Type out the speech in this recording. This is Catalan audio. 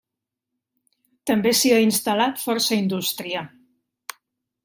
També s'hi ha instal·lat força indústria.